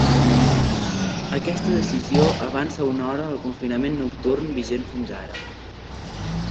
Aquesta decisió avança una hora el confinament nocturn vigent fins ara.